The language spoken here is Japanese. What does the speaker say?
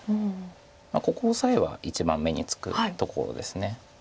ここオサエは一番目につくところです。